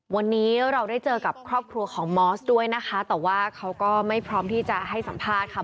วันนี้เราได้เจอกับครอบครัวของมอสด้วยนะคะแต่ว่าเขาก็ไม่พร้อมที่จะให้สัมภาษณ์ค่ะ